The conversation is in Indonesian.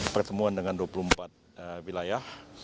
pertemuan dengan dua puluh empat wilayah